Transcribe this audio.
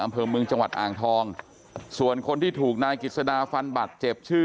อำเภอเมืองจังหวัดอ่างทองส่วนคนที่ถูกนายกิจสดาฟันบัตรเจ็บชื่อ